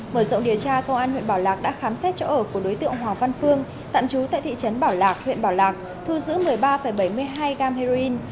mở rộng điều tra công an huyện bảo lạc đã khám xét chỗ ở của đối tượng hoàng văn phương tạm trú tại thị trấn bảo lạc huyện bảo lạc thu giữ một mươi ba bảy mươi hai gam heroin